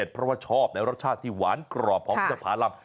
เพราะว่าชอบในรสชาติที่หวานกรอบของพุทธภารำ